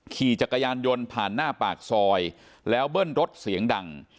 ขี่จักรยานยนต์ผ่านหน้าปากซอยแล้วเบิ้ลรถเสียงดัง